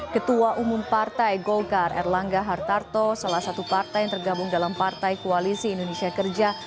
ketua umum partai golkar erlangga hartarto salah satu partai yang tergabung dalam partai koalisi indonesia kerja